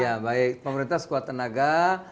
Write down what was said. ya baik pemerintah sekuat tenaga